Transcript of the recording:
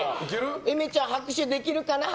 えめちゃん、拍手できるかな？